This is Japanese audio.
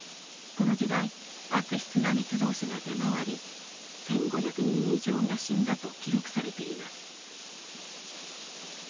この時代悪質な密造酒が出回り１，５００人以上が死んだと記録されています。